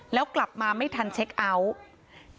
แล้วกลับมาไม่ทันเช็คเอาท์